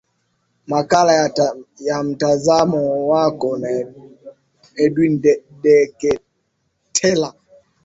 makala ya mtazamo wako na edwin deketela